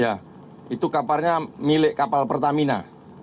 ya itu kapalnya milik kapal pertamina